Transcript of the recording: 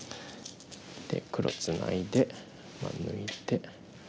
で黒ツナいで抜いて。